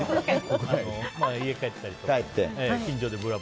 家帰ったりとか。